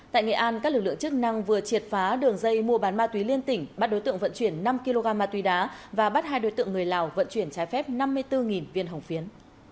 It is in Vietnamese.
tại nghệ an các lực lượng chức năng vừa triệt phá đường dây mua bán ma túy liên tỉnh bắt đối tượng vận chuyển năm kg ma túy đá và bắt hai đối tượng người lào vận chuyển trái phép năm mươi bốn viên hồng phiến